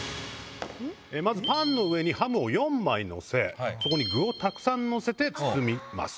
まず、パンの上にハムを４枚載せ、そこに具をたくさん載せて包みます。